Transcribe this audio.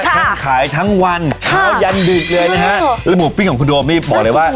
ทั้งขายทั้งวันเช้ายันดึกเลยนะฮะแล้วหมูปิ้งของคุณโดมนี่บอกเลยว่า